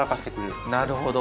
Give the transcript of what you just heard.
なるほど。